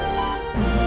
ya allah papa